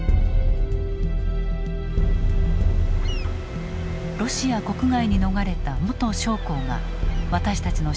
ロシア国外に逃れた元将校が私たちの取材に応じた。